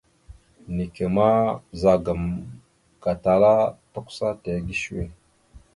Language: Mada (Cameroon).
Neke ma ɓəzagaam gatala tʉkəsa tige səwe.